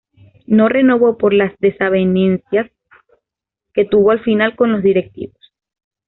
No renovó por las desavenencias que tuvo al final con los directivos.